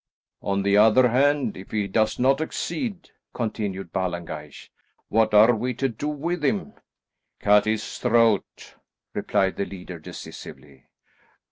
"On the other hand, if he does not accede," continued Ballengeich, "what are we to do with him?" "Cut his throat," replied the leader decisively.